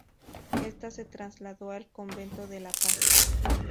Esta se trasladó al convento de la Paz.